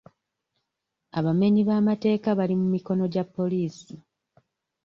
Abamenyi b'amateeka bali mu mikono gya poliisi.